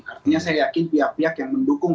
artinya saya yakin pihak pihak yang mendukung